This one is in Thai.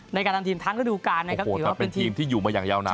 ในการทำทีมทั้งฤดูการนะครับถือว่าเป็นทีมที่อยู่มาอย่างยาวนาน